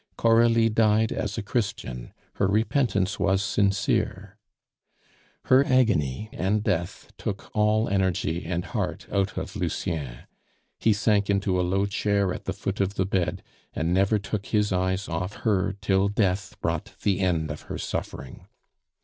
Coralie died as a Christian; her repentance was sincere. Her agony and death took all energy and heart out of Lucien. He sank into a low chair at the foot of the bed, and never took his eyes off her till Death brought the end of her suffering.